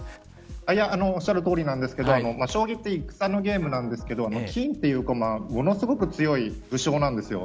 おっしゃるとおりなんですけど将棋って戦のゲームなんですけど金という駒はものすごく強い武将なんです。